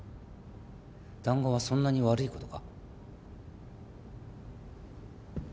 談合はそんなに悪いことか？